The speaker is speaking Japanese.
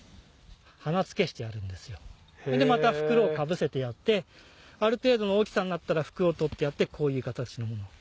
でまた袋をかぶせてやってある程度の大きさになったら袋を取ってやってこういう形のものを。